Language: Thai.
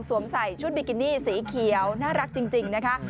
ใส่ชุดบิกินี่สีเขียวน่ารักจริงนะคะ